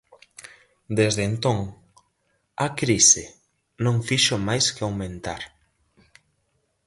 Desde entón a crise non fixo máis que aumentar.